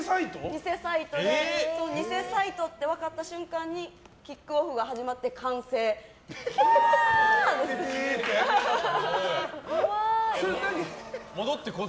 偽サイトで偽サイトって分かった瞬間にキックオフが始まって歓声、キャーって。